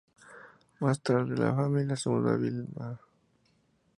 Más tarde la familia se mudó a Vilna.